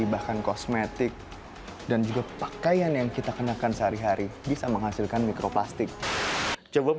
bahkan kosmetik dan juga pakaian yang kita kenakan sehari hari bisa menghasilkan mikroplastik coba